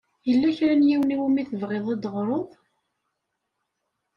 Yella kra n yiwen i wumi tebɣiḍ ad teɣṛeḍ?